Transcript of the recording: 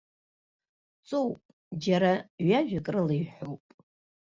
Ҵоуп, џьара ҩажәак рыла иҳәоуп.